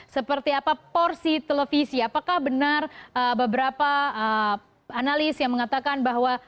seperti apa porsi televisi apakah benar beberapa analis yang mengatakan bahwa